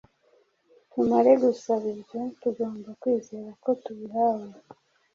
Tumaze gusaba ibyo, tugomba kwizera ko tubihawe